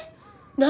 何？